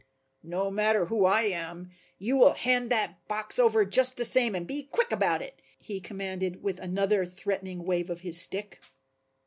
"No matter who I am, you will hand that box over just the same and be quick about it," he commanded with another threatening wave of his stick.